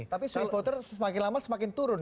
tapi swing voter semakin lama semakin turun